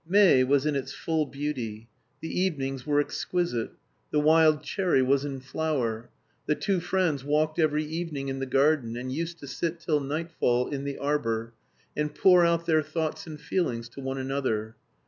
May was in its full beauty. The evenings were exquisite. The wild cherry was in flower. The two friends walked every evening in the garden and used to sit till nightfall in the arbour, and pour out their thoughts and feelings to one another.